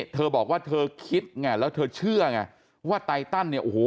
เธอบอกว่าเธอคิดไงแล้วเธอเชื่อไงว่าไตตันเนี่ยโอ้โห